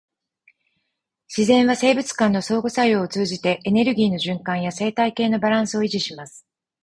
自然は生物間の相互作用を通じて、エネルギーの循環や生態系のバランスを維持します。